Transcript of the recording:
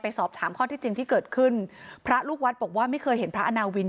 สอบถามข้อที่จริงที่เกิดขึ้นพระลูกวัดบอกว่าไม่เคยเห็นพระอาณาวิน